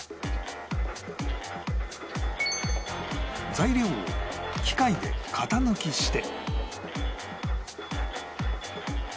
材料を機械で型抜きして